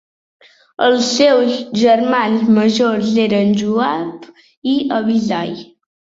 Els seus germans majors eren Joab i Abishai.